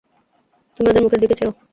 তুমি ওদের মুখের দিকে চেয়ো।